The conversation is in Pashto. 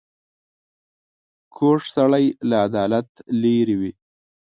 کوږ سړی له عدالت لیرې وي